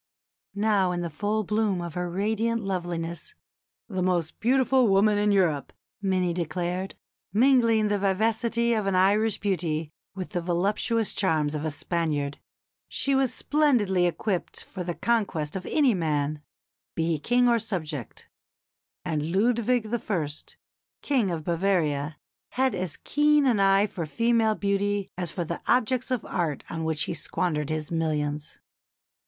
Now in the full bloom of her radiant loveliness "the most beautiful woman in Europe" many declared mingling the vivacity of an Irish beauty with the voluptuous charms of a Spaniard she was splendidly equipped for the conquest of any man, be he King or subject; and Ludwig I., King of Bavaria, had as keen an eye for female beauty as for the objects of art on which he squandered his millions.